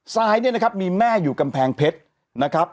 ซ้ายเนี่ยนะครับมีแม่อยู่กำแพงเพชรนะครับ